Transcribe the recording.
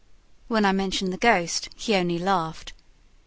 When I mentioned the ghost, he only laughed.